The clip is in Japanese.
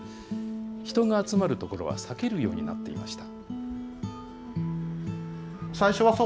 人が集まる所は避けるようになっていました。